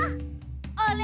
あれ？